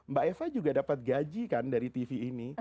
mbak eva juga dapat gaji kan dari tv ini